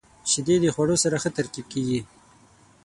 • شیدې د خوړو سره ښه ترکیب کیږي.